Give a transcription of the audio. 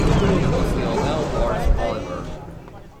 It was Lionel Bart's Oliver!